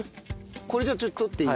これじゃあちょっと取っていい？